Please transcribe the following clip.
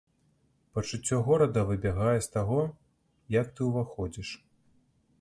Пачуццё горада выбягае з таго, як ты ўваходзіш.